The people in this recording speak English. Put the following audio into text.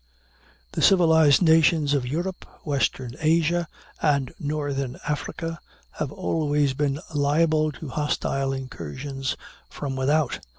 The civilized nations of Europe, western Asia, and northern Africa have always been liable to hostile incursions from without.